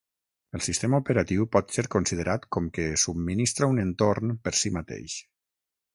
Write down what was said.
El Sistema Operatiu pot ser considerat com que subministra un entorn per si mateix.